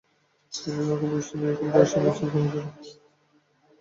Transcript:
তিনি নারকোমনাটসের "নিখিল রাশিয়া মুসলিম কর্মীদের কেন্দ্রীয় কমিটি" বিভাগে নির্বাচিত হন।